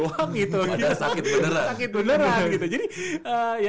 sakit beneran gitu jadi kalau itu sakit beneran itu sakit beneran